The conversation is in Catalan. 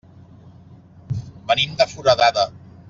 Venim de Foradada.